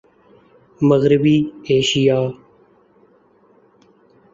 مغربی ایشیا